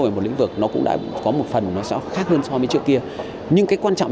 về một lĩnh vực nó cũng đã có một phần nó khác hơn so với trước kia nhưng cái quan trọng